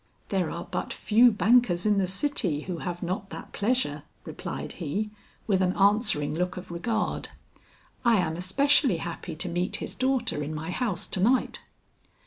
"There are but few bankers in the city who have not that pleasure," replied he with an answering look of regard. "I am especially happy to meet his daughter in my house to night."